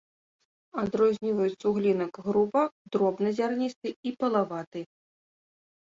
Адрозніваюць суглінак груба-, дробназярністы і пылаваты.